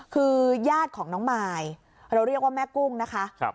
คือญาติของน้องมายเราเรียกว่าแม่กุ้งนะคะ